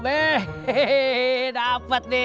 terima kasih belom nol